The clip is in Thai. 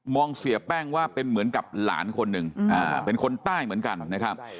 เสียแป้งว่าเป็นเหมือนกับหลานคนหนึ่งเป็นคนใต้เหมือนกันนะครับ